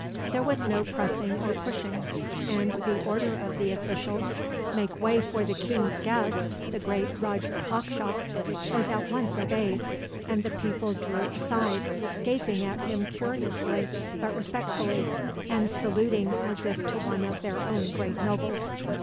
There was no pressing or pushing, and the order of the officials, "Make way for the king's guest, the great Roger Hawkshaw!" was at once obeyed; and the people drew aside, gazing at him curiously but respectfully, and saluting as if to one of their own great nobles.